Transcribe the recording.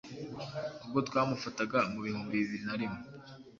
ubwo twamufataga mu bihumbi bibiri na rimwe